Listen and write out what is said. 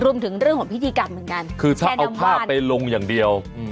รวมถึงเรื่องของพิธีกรรมเหมือนกันคือถ้าเอาภาพไปลงอย่างเดียวอืม